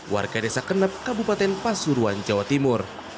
warga desa kenep kabupaten pasuruan jawa timur